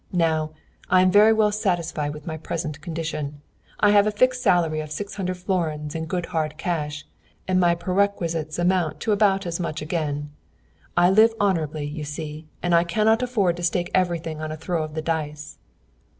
Now, I am very well satisfied with my present condition. I have a fixed salary of six hundred florins in good hard cash, and my perquisites amount to about as much again. I live honourably, you see, and I cannot afford to stake everything on a throw of the dice.'